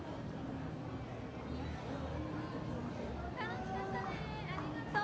楽しかったねありがとう。